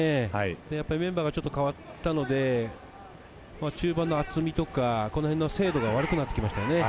メンバーが代わったので、中盤の厚みとか精度が悪くなってきましたね。